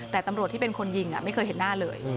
แต่ตำรวจที่เป็นคนยิงไม่เคยเห็นหน้าเลย